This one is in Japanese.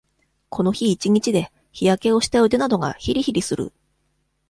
この日一日で、日焼けをした腕などが、ひりひりする。